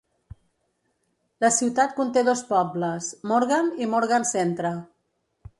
La ciutat conté dos pobles: Morgan i Morgan Centre.